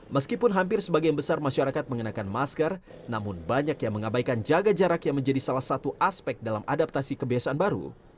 meskipun hampir sebagian besar masyarakat mengenakan masker namun banyak yang mengabaikan jaga jarak yang menjadi salah satu aspek dalam adaptasi kebiasaan baru